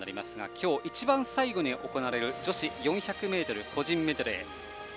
今日一番最後に行われる女子４００ｍ個人メドレー。